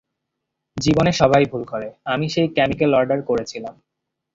জীবনে সবাই ভুল করে, আমি সেই কেমিকেল অর্ডার করেছিলাম।